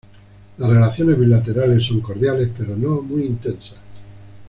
Las relaciones bilaterales son cordiales, pero no muy intensas.